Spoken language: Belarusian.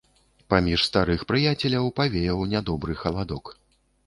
Паміж старых прыяцеляў павеяў нядобры халадок.